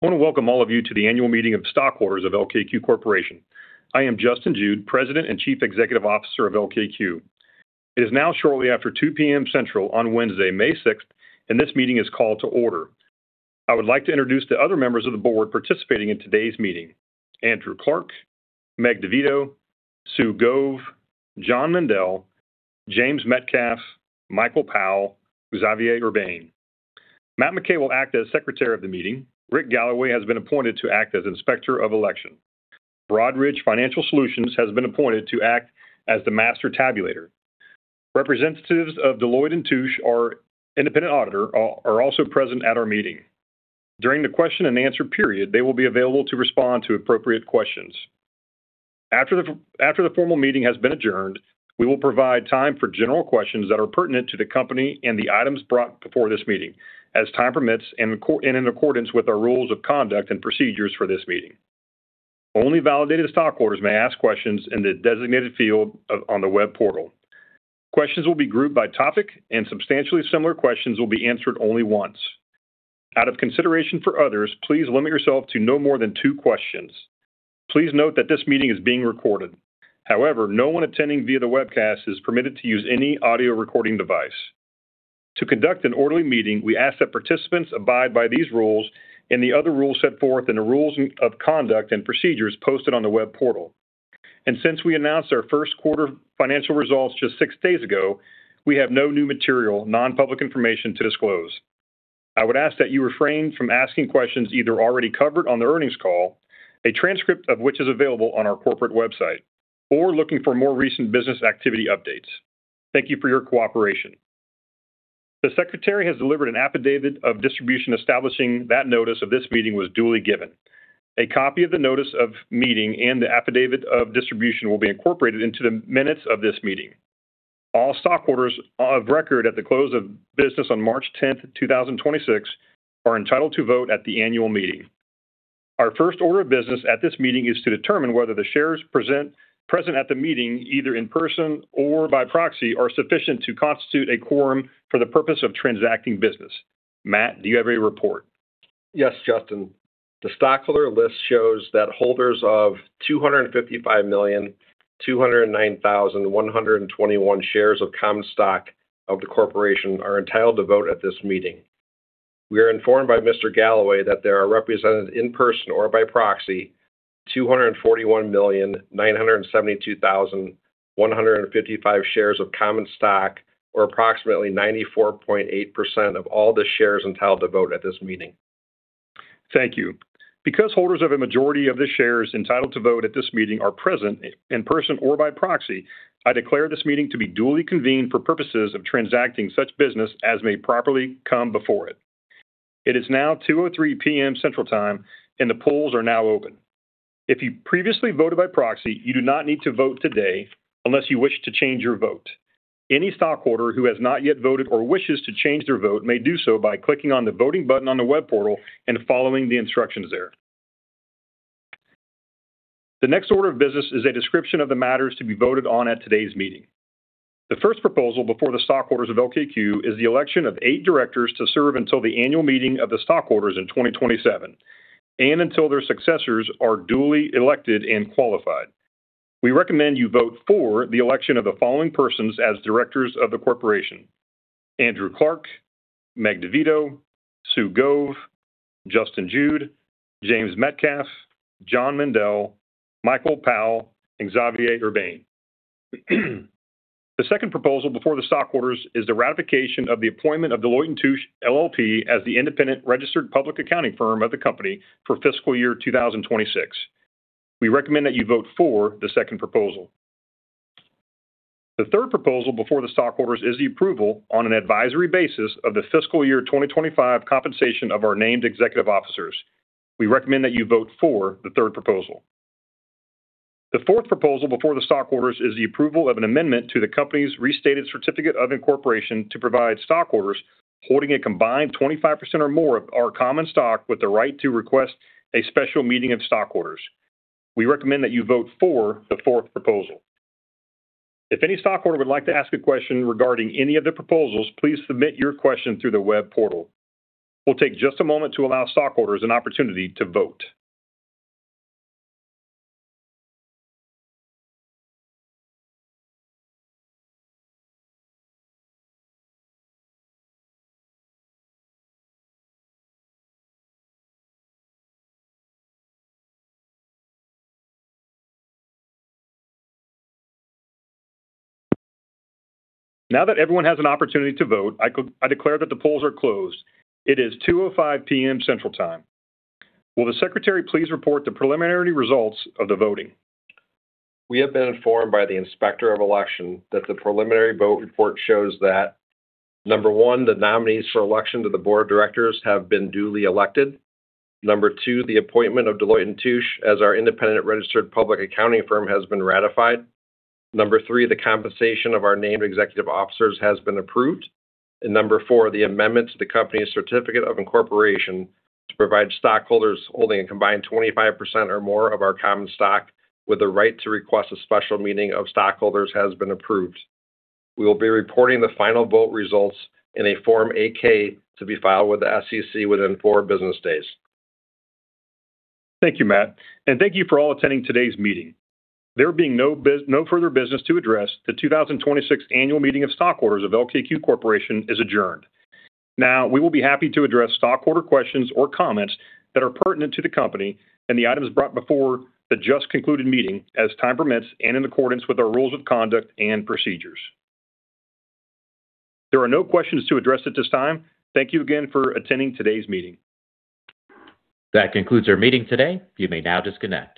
I want to welcome all of you to the annual meeting of stockholders of LKQ Corporation. I am Justin Jude, President and Chief Executive Officer of LKQ. It is now shortly after 2 P.M. Central on Wednesday, May 6th, this meeting is called to order. I would like to introduce the other members of the board participating in today's meeting: Andrew Clarke, Meg Ann Divitto, Sue Gove, John Mendel, James Metcalf, Michael Powell, Xavier Urbain. Matt McKay will act as Secretary of the meeting. Rick Galloway has been appointed to act as Inspector of Election. Broadridge Financial Solutions has been appointed to act as the master tabulator. Representatives of Deloitte & Touche, our independent auditor, are also present at our meeting. During the question and answer period, they will be available to respond to appropriate questions. After the formal meeting has been adjourned, we will provide time for general questions that are pertinent to the company and the items brought before this meeting as time permits and in accordance with our rules of conduct and procedures for this meeting. Only validated stockholders may ask questions in the designated field on the web portal. Questions will be grouped by topic, and substantially similar questions will be answered only once. Out of consideration for others, please limit yourself to no more than two questions. Please note that this meeting is being recorded. However, no one attending via the webcast is permitted to use any audio recording device. To conduct an orderly meeting, we ask that participants abide by these rules and the other rules set forth in the rules of conduct and procedures posted on the web portal. Since we announced our first quarter financial results just six days ago, we have no new material, non-public information to disclose. I would ask that you refrain from asking questions either already covered on the earnings call, a transcript of which is available on our corporate website, or looking for more recent business activity updates. Thank you for your cooperation. The secretary has delivered an affidavit of distribution establishing that notice of this meeting was duly given. A copy of the notice of meeting and the affidavit of distribution will be incorporated into the minutes of this meeting. All stockholders of record at the close of business on March 10th, 2026 are entitled to vote at the annual meeting. Our first order of business at this meeting is to determine whether the shares present at the meeting, either in person or by proxy, are sufficient to constitute a quorum for the purpose of transacting business. Matt, do you have a report? Yes, Justin. The stockholder list shows that holders of 255,209,121 shares of common stock of the corporation are entitled to vote at this meeting. We are informed by Mr. Galloway that there are represented in person or by proxy 241,972,155 shares of common stock, or approximately 94.8% of all the shares entitled to vote at this meeting. Thank you. Because holders of a majority of the shares entitled to vote at this meeting are present in person or by proxy, I declare this meeting to be duly convened for purposes of transacting such business as may properly come before it. It is now 2:03 P.M. Central Time, and the polls are now open. If you previously voted by proxy, you do not need to vote today unless you wish to change your vote. Any stockholder who has not yet voted or wishes to change their vote may do so by clicking on the voting button on the web portal and following the instructions there. The next order of business is a description of the matters to be voted on at today's meeting. The first proposal before the stockholders of LKQ is the election of eight directors to serve until the annual meeting of the stockholders in 2027 and until their successors are duly elected and qualified. We recommend you vote for the election of the following persons as directors of the corporation: Andrew Clarke, Meg Ann Divitto, Sue Gove, Justin Jude, James Metcalf, John Mendel, Michael Powell, and Xavier Urbain. The second proposal before the stockholders is the ratification of the appointment of Deloitte & Touche LLP as the independent registered public accounting firm of the company for fiscal year 2026. We recommend that you vote for the second proposal. The third proposal before the stockholders is the approval on an advisory basis of the fiscal year 2025 compensation of our named executive officers. We recommend that you vote for the third proposal. The fourth proposal before the stockholders is the approval of an amendment to the company's restated certificate of incorporation to provide stockholders holding a combined 25% or more of our common stock with the right to request a special meeting of stockholders. We recommend that you vote for the fourth proposal. If any stockholder would like to ask a question regarding any of the proposals, please submit your question through the web portal. We'll take just a moment to allow stockholders an opportunity to vote. Now that everyone has an opportunity to vote, I declare that the polls are closed. It is 2:05 P.M. Central Time. Will the secretary please report the preliminary results of the voting? We have been informed by the Inspector of Election that the preliminary vote report shows that, number one, the nominees for election to the board of directors have been duly elected. Number two, the appointment of Deloitte & Touche as our independent registered public accounting firm has been ratified. Number three, the compensation of our named executive officers has been approved. Number four, the amendment to the company's certificate of incorporation to provide stockholders holding a combined 25% or more of our common stock with the right to request a special meeting of stockholders has been approved. We will be reporting the final vote results in a Form 8-K to be filed with the SEC within four business days. Thank you, Matt, and thank you for all attending today's meeting. There being no further business to address, the 2026 annual meeting of stockholders of LKQ Corporation is adjourned. Now, we will be happy to address stockholder questions or comments that are pertinent to the company and the items brought before the just-concluded meeting as time permits and in accordance with our rules of conduct and procedures. There are no questions to address at this time. Thank you again for attending today's meeting. That concludes our meeting today. You may now disconnect.